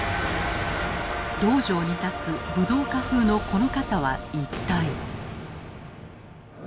道場に立つ武道家風のこの方は一体。